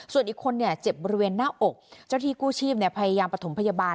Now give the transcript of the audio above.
ส่วนอีกคนเจ็บบริเวณหน้าอกเจ้าที่กู้ชีพพยายามประถมพยาบาล